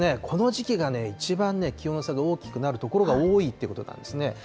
この時期が一番気温の差が大きくなる所が多いということなんですね。